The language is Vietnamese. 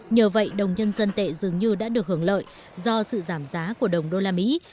nhờ vậy đồng nhân dân tệ dường như đã được hưởng lợi do sự giảm giá của đồng đô la mỹ